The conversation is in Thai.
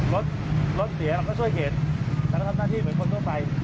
รถเสียเราก็ช่วยเข็นแต่เราทำหน้าที่เหมือนคนตัวไป